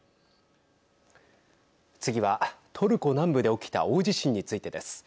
次はトルコ南部で起きた大地震についてです。